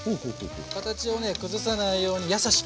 形をね崩さないように優しくここは。